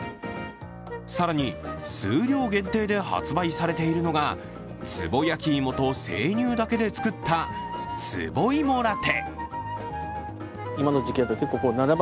更に、数量限定で発売されているのが、つぼやきいもと生乳だけで作ったつぼ芋ラテ。